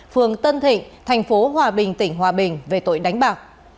phường tân thịnh thành phố hòa bình tỉnh hòa bình về tội đánh bạc